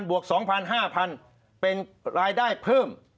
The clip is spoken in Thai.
๓๐๐๐บวก๒๐๐๐บวก๕๐๐๐เป็นรายได้เพิ่ม